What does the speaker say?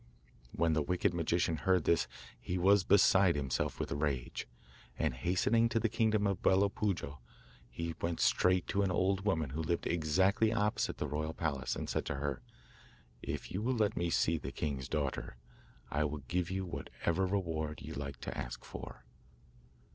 When the wicked magician heard this he was beside himself with rage, and, hastening to the kingdom of Bello Puojo, he went straight to an old woman who lived exactly opposite the royal palace, and said to her: 'If you will let me see the king's daughter, I will give you whatever reward you like to ask for.